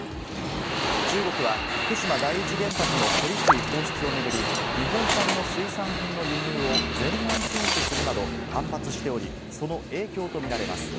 中国は、福島第一原発の処理水放出を巡り、日本産の水産品の輸入を全面禁止するなど反発しており、その影響と見られます。